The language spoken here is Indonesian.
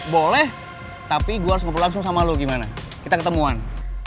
boleh tapi gue harus ngobrol langsung sama lo gimana kita ketemuan